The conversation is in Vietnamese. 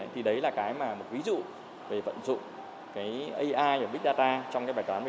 thì đấy là cái mà một ví dụ về vận dụng cái ai và big data trong cái bài toán về tài chính kế toán cho doanh nghiệp